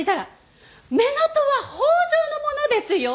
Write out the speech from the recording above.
乳母父は北条の者ですよ！